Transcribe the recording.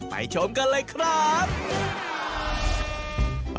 ชมกันเลยครับ